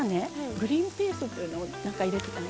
グリーンピースっていうのを中に入れてたの。